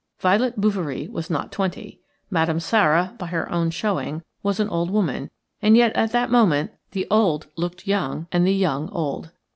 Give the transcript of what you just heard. Violet Bouverie was not twenty. Madame Sara, by her own showing, was an old woman, and yet at that moment the old looked young and the young old.